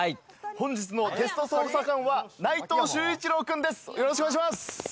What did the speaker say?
本日のゲスト捜査官は内藤秀一郎君です。